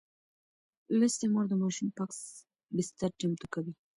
لوستې مور د ماشوم پاک بستر چمتو کوي.